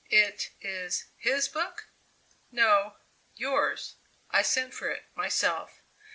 "It is his book?" "No. Yours I sent for it, myself."